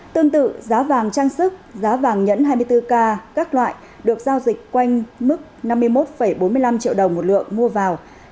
tương tự giá vàng trang sức giá vàng nhẫn hai mươi bốn k các loại được giao dịch quanh mức năm mươi một bốn mươi năm triệu đồng một lượng mua vào